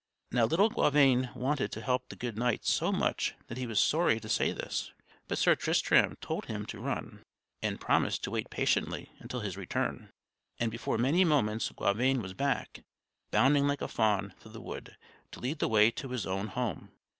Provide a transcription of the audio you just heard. Now little Gauvain wanted to help the good knight so much that he was sorry to say this; but Sir Tristram told him to run, and promised to wait patiently until his return; and before many moments Gauvain was back, bounding like a fawn through the wood, to lead the way to his own home.